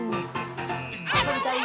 「あそびたい！